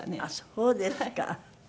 そうですか。